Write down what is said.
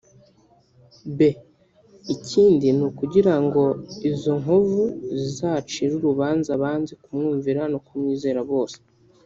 B) Ikindi ni ukugira ngo izo nkovu zizacire urubanza abanze kumwumvira no kumwizera bose